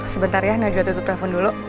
sebentar ya najwa tutup telepon dulu